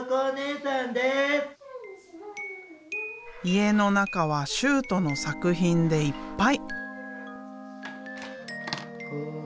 家の中は修杜の作品でいっぱい。